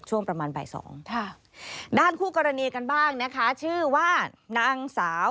ช่วงประมาณบ่าย๒บาทนะคะชื่อว่านางสาว